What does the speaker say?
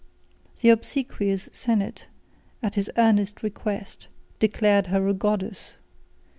4 The obsequious senate, at his earnest request, declared her a goddess.